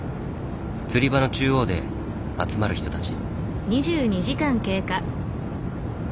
釣り場の中央で集まる人たち。